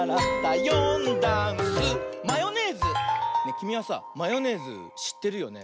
きみはさマヨネーズしってるよね？